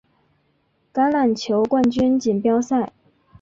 橄榄球冠军锦标赛。